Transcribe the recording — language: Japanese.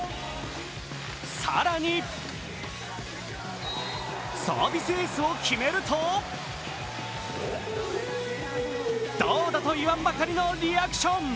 更に、サービスエースを決めるとどうだと言わんばかりのリアクション。